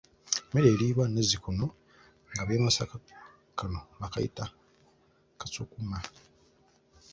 Mu mmere eriibwa nazzikuno nga ab'e Masaka kano bakayita kasukuma.